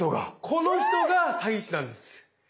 この人が詐欺師なんです。